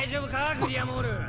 グリアモール。